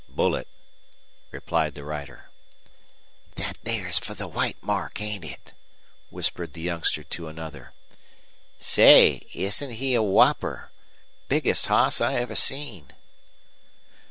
"Bullet," replied the rider. "Thet there's fer the white mark, ain't it?" whispered the youngster to another. "Say, ain't he a whopper? Biggest hoss I ever seen."